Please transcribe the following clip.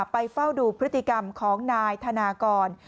เฝ้าดูพฤติกรรมของนายธนากร